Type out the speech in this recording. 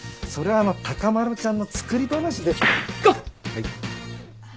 はい。